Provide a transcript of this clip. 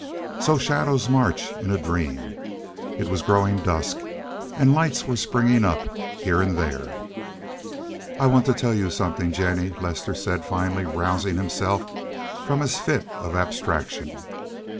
So shadows march in a dream. It was growing dusk, and lights were springing up here and there. "I want to tell you something, Jennie," said Lester, finally rousing himself from his fit of abstraction.